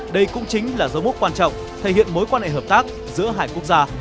đây cũng chính là dấu mốc quan trọng thể hiện mối quan hệ hợp tác giữa hai quốc gia